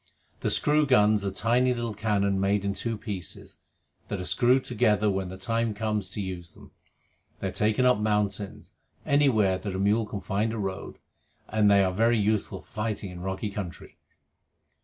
The screw guns are tiny little cannon made in two pieces, that are screwed together when the time comes to use them. They are taken up mountains, anywhere that a mule can find a road, and they are very useful for fighting in rocky country.